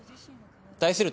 対する